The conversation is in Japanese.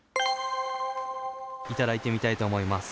頂いてみたいと思います。